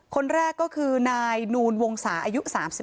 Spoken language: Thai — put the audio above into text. คนแรกก็คือนายนูลวงศาอายุ๓๒